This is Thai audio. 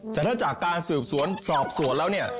แต่ถ้าจากการสืบสวนสอบสวนแล้วเนี่ย